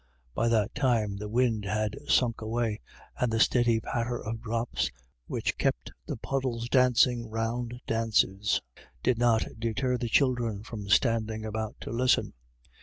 By that time the wind had sunk away, and the steady patter of drops, which kept the puddles dancing round dances, did not deter the children from standing about to listen.